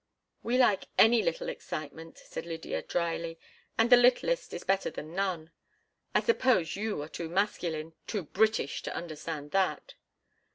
"We like any little excitement," said Lydia, dryly, "and the littlest is better than none. I suppose you are too masculine—too British—to understand that!"